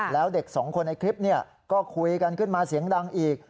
แล้วเด็กสองคนในคลิปก็คุยกันขึ้นมาเสียงดังอีก